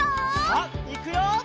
さあいくよ！